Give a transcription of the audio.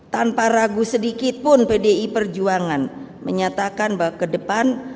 tanpa ragu sedikit pun pdi perjuangan menyatakan bahwa ke depan